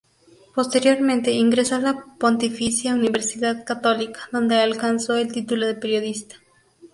Posteriormente ingresó a la Pontificia Universidad Católica, donde alcanzó el título de periodista.